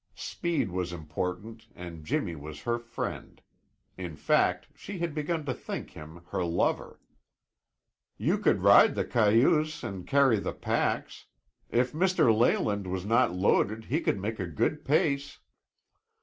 Speed was important and Jimmy was her friend; in fact, she had begun to think him her lover. "You could ride the cayuse and carry the packs. If Mr. Leyland was not loaded he could make a good pace."